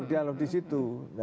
dialog di situ